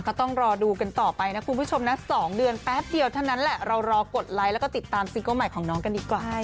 ก็ต้องรอดูกันต่อไปนะคุณผู้ชมนะ๒เดือนแป๊บเดียวเท่านั้นแหละเรารอกดไลค์แล้วก็ติดตามซิงเกิ้ลใหม่ของน้องกันดีกว่า